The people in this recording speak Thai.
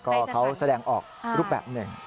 ก็เขาแสดงออกรูปแบบหนึ่ง